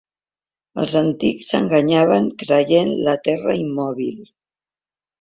Els antics s'enganyaven creient la Terra immòbil.